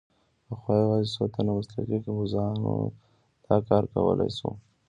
پخوا یوازې څو تنو مسلکي کمپوزرانو دا کار کولای شو.